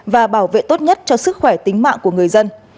và bảo vệ tốt nhất cho sức khỏe tính mạng của người dân